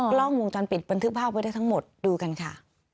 กล้องวงจรปิดบันทึกภาพไว้ได้ทั้งหมดดูกันค่ะ